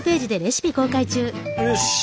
よし！